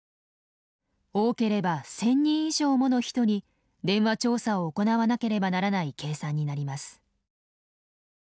多ければ１，０００人以上もの人に電話調査を行わなければならない計算になります。